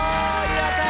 やったー！